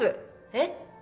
えっ？